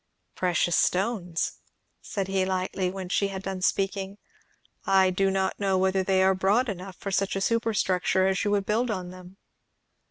"Precious stones!" said he lightly, when she had done speaking. "I do not know whether they are broad enough for such a superstructure as you would build on them."